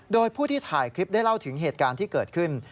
โดยผู้ที่ถ่ายคลิปได้เล่าถึงเหตุการณ์ที่เกิดขึ้น